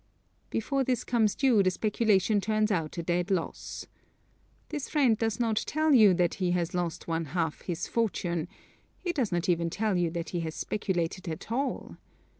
Before this comes due the speculation turns out a dead loss. This friend does not tell you that he has lost one half his fortune he does not even tell you that he has speculated at all.